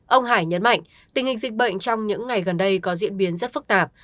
ông hải nhấn mạnh tình hình dịch bệnh trong những ngày gần đây có diễn biến rất phức tạp